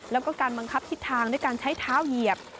แล้วก็การบังคับทิศทางด้วยการใช้เท้าเหยียบ